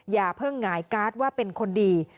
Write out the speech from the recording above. อย่าเพิ่งหงายการ์ดว่าเป็นคนดี